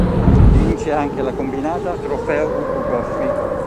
Vince anche la combinata Trofeo "Ugo Goffi".